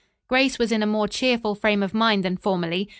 Grace was in a more cheerful frame of mind than formerly.